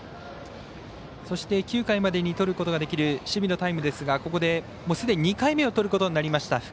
そして、９回までにとることができる守備のタイムですがここで、すでに２回目をとることになりました。